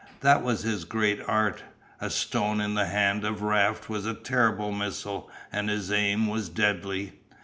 That was his great art. A stone in the hand of Raft was a terrible missile and his aim was deadly.